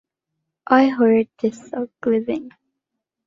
I Heard They Suck Live!!